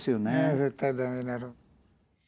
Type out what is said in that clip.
絶対駄目になる。